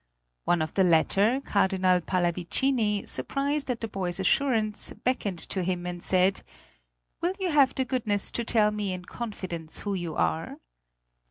One of the latter, Cardinal Pallavicini, surprised at the boy's assurance, beckoned to him, and said, "Will you have the goodness to tell me in confidence who you are?"